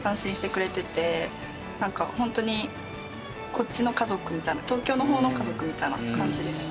なんかホントにこっちの家族みたいな東京の方の家族みたいな感じですね。